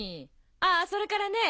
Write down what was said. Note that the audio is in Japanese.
あぁそれからね。